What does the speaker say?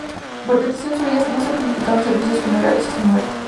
Por petición suya, no se planificaron servicios funerarios a su muerte.